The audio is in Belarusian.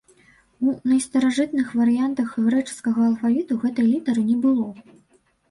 У найстаражытных варыянтах грэчаскага алфавіту гэтай літары не было.